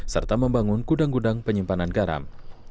serta membangun kudang kudang penyimpanan garam